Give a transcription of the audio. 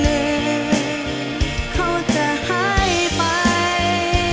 แล้วใจของเธอจะเปลี่ยนไป